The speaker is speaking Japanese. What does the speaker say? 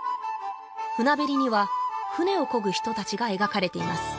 船べりには船を漕ぐ人達が描かれています